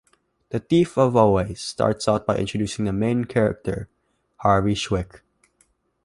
"The Thief of Always" starts out by introducing the main character, Harvey Swick.